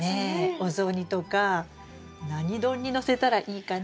お雑煮とか何丼にのせたらいいかな？